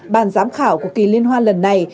bản giám khảo của kỳ liên hoan lần này